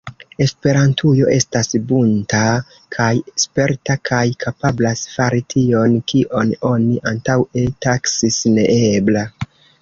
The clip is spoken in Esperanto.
Esperantujo estas bunta kaj sperta kaj kapablas fari tion, kion oni antaŭe taksis neebla.